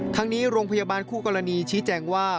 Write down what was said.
ทั้งนี้โรงพยาบาลคู่กรณีชี้แจงว่า